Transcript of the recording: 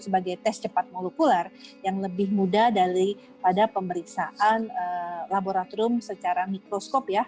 sebagai tes cepat molekular yang lebih mudah dari pada pemeriksaan laboratorium secara mikroskop ya